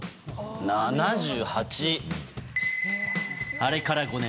あれから５年。